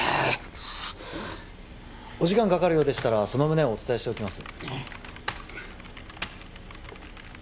クソッお時間かかるようでしたらその旨お伝えしておきます